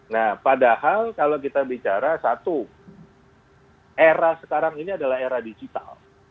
nah padahal kalau kita bicara satu era sekarang ini adalah era digital